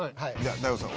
大悟さん